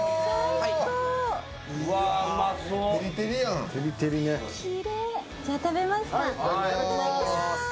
いただきます。